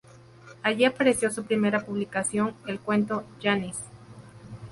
Allí apareció su primera publicación: el cuento "Janice".